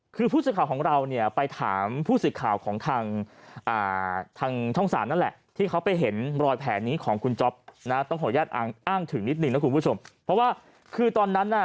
คือผู้สิทธิ์ข่าวของเราไปถามผู้สิทธิ์ข่าวของทางช่องสารนั่นแหละ